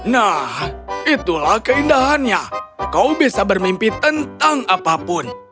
nah itulah keindahannya kau bisa bermimpi tentang apapun